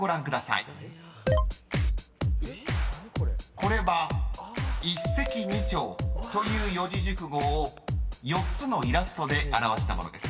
［これは「一石二鳥」という四字熟語を４つのイラストで表したものです］